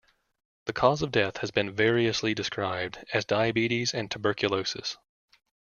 The cause of death has been variously described as diabetes and tuberculosis.